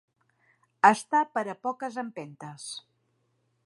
Estar per a poques empentes.